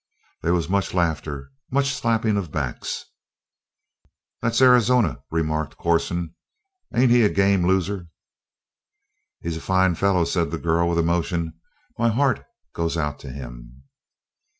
There was much laughter, much slapping of backs. "That's Arizona," remarked Corson. "Ain't he a game loser?" "He's a fine fellow," said the girl, with emotion. "My heart goes out to him!"